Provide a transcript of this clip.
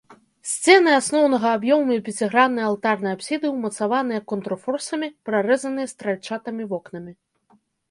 Сцены асноўнага аб'ёму і пяціграннай алтарнай апсіды ўмацаваныя контрфорсамі, прарэзаныя стральчатымі вокнамі.